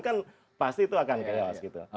kan pasti itu akan chaos gitu